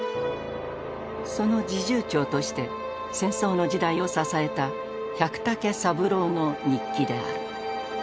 その侍従長として戦争の時代を支えた百武三郎の日記である。